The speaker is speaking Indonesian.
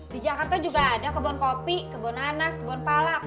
di jakarta juga ada kebun kopi kebonanas kebun palak